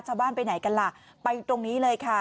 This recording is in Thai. ชาวบ้านไปไหนกันล่ะไปตรงนี้เลยค่ะ